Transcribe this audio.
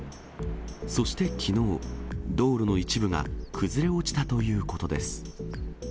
そしてきのう、道路の一部が崩れ落ちたということです。